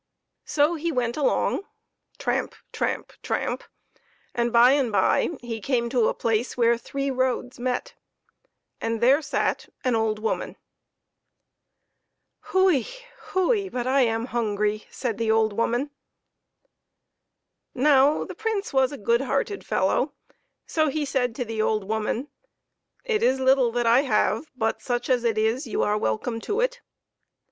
So he went along, tramp ! tramp ! tramp ! and by and by he came to a place where three roads met, and there sat an old woman. PEPPER AND SALT. " Hui ! hui ! but I am hungry !" said the old woman. Now the Prince was a good hearted fellow, so he said to the old woman, " It is little I have, but such as it is you are welcome to it."